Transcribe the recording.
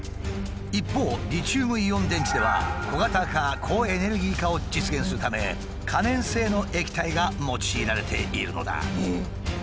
一方リチウムイオン電池では小型化高エネルギー化を実現するため可燃性の液体が用いられているのだ。